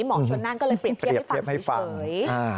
หมอชนนั่นก็เลยเปรียบเทียบให้ฟัง